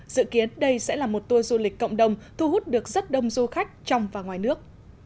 dự kiến đây sẽ là một tour du lịch cộng đồng thu hút được rất đông du khách trong và ngoài nước